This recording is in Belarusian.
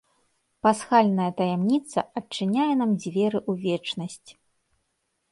Пасхальная таямніца адчыняе нам дзверы ў вечнасць.